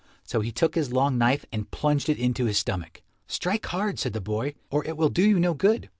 So he took his long knife and plunged it into his stomach. "Strike hard," said the boy, "or it will do you no good."